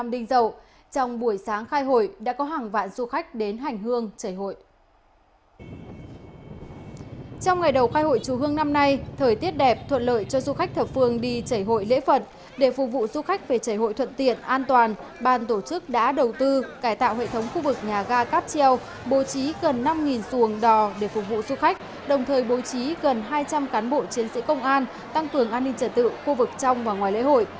để phục vụ du khách về chảy hội thuận tiện an toàn ban tổ chức đã đầu tư cải tạo hệ thống khu vực nhà ga cát treo bố trí gần năm xuồng đò để phục vụ du khách đồng thời bố trí gần hai trăm linh cán bộ chiến sĩ công an tăng cường an ninh trả tự khu vực trong và ngoài lễ hội